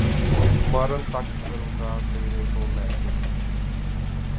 ਮਰਨ ਤੱਕ ਕਰੂੰਗਾ ਤੇਰੇ ਤੋਂ ਲੈ ਕੇ